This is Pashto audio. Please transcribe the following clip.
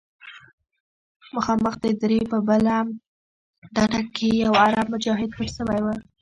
مخامخ د درې په بله ډډه کښې يو عرب مجاهد پټ سوى و.